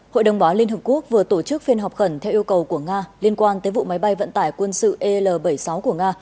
hội đồng bảo an liên hợp quốc vừa tổ chức phiên họp khẩn theo yêu cầu của nga liên quan tới vụ máy bay vận tải quân sự el bảy mươi sáu của nga